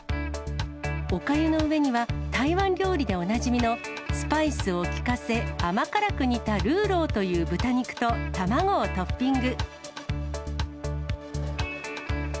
おかゆの上には台湾料理でおなじみのスパイスをきかせ甘辛く煮たルーローという豚肉と卵をトッピング。